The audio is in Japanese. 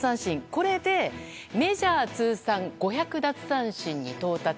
これでメジャー通算５００奪三振に到達。